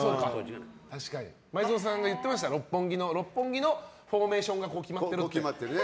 前園さんが言ってました六本木のフォーメーションが決まっていると。